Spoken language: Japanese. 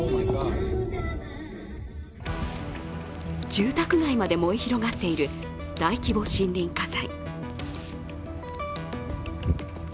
住宅街まで燃え広がっている大規模森林火災。